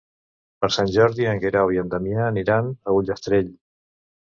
Per Sant Jordi en Guerau i en Damià aniran a Ullastrell.